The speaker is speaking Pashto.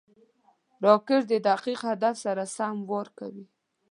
راکټ د دقیق هدف سره سم وار کوي